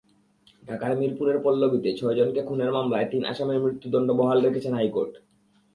ঢাকার মিরপুরের পল্লবীতে ছয়জনকে খুনের মামলায় তিন আসামির মৃত্যুদণ্ড বহাল রেখেছেন হাইকোর্ট।